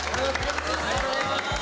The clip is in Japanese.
ありがとうございます。